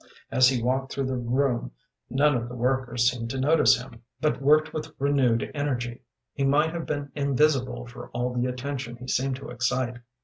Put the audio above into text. As he walked through the room none of the workers seemed to notice him, but worked with renewed energy. He might have been invisible for all the attention he seemed to excite.